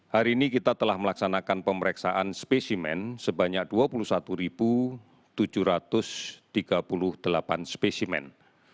hari ini kita telah melaksanakan pemeriksaan spesimen sebanyak dua puluh satu tujuh ratus tiga puluh delapan spesimen